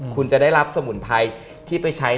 คุณจะได้รับสมุนไพรที่ไปใช้